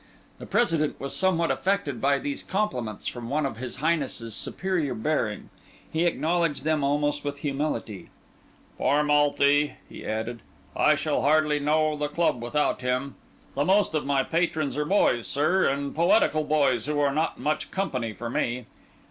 The President was somewhat affected by these compliments from one of his Highness's superior bearing. He acknowledged them almost with humility. "Poor Malthy!" he added, "I shall hardly know the club without him. The most of my patrons are boys, sir, and poetical boys, who are not much company for me.